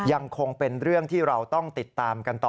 ยังคงเป็นเรื่องที่เราต้องติดตามกันต่อ